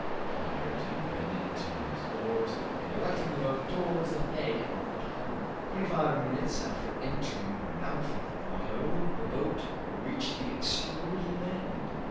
replied Ayrton, bending to his oars and directing the boat towards the head of the cavern. Twenty five minutes after entering the mouth of the grotto the boat reached the extreme end.